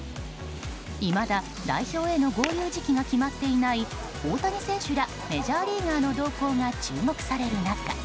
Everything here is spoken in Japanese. いまだ代表への合流時期が決まっていない大谷選手らメジャーリーガーの動向が注目される中